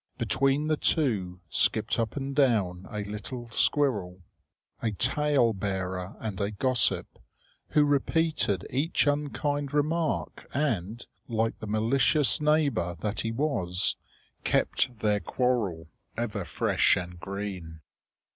Between the two skipped up and down a little squirrel, a tale bearer and a gossip, who repeated each unkind remark and, like the malicious neighbour that he was, kept their quarrel ever fresh and green.